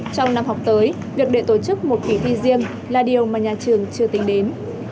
trong năm học tới việc để tổ chức một kỳ thi riêng là điều mà nhà trường chưa tính đến